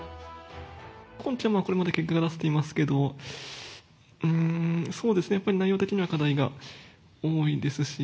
今期はこれまで結果が出せていますけども、そうですね、やっぱり内容的には課題が多いですし。